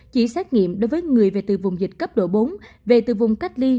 chỉ xét nghiệm đối với người về từ vùng dịch cấp độ bốn về từ vùng cách ly